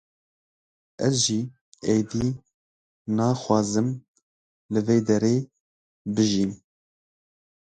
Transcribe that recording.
ez jî, êdî na xwazim li vêderê bijîm